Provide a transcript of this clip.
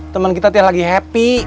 temen kita tiap lagi happy